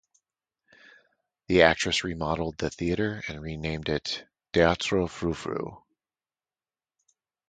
The actress remodeled the theater and renamed it "Teatro Fru Fru".